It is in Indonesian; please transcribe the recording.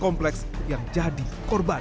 kompleks yang jadi korban